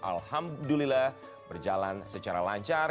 alhamdulillah berjalan secara lancar